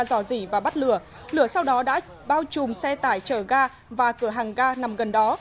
dò dỉ và bắt lửa lửa sau đó đã bao trùm xe tải chở ga và cửa hàng ga nằm gần đó